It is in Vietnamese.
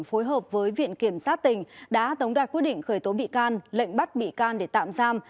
phối hợp với viện kiểm sát tỉnh đã tống đạt quyết định khởi tố bị can lệnh bắt bị can để tạm giam